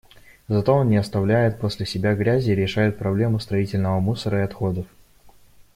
Зато он не оставляет после себя грязи и решает проблему строительного мусора и отходов.